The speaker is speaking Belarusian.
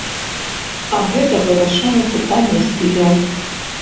А гэта вырашае пытанне стыляў.